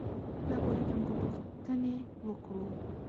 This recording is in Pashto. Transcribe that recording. له پوهېدونکو پوښتنې وکړو.